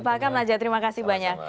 pak kam naja terima kasih banyak